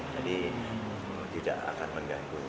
jadi tidak akan mengganggu